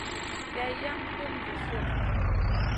Kay yam guna vi sunù.